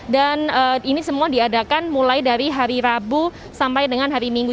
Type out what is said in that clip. dan ini semua diadakan mulai dari hari rabu sampai dengan hari minggu